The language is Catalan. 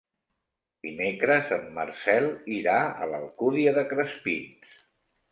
Dimecres en Marcel irà a l'Alcúdia de Crespins.